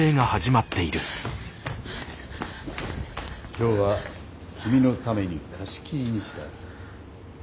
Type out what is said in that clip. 今日は君のために貸し切りにした。